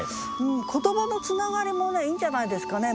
言葉のつながりもいいんじゃないですかね。